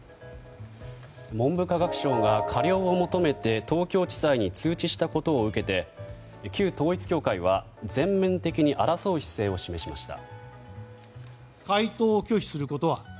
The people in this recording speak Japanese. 文部科学省が過料を求めて東京地裁に通知したことを受けて旧統一教会は全面的に争う姿勢を示しました。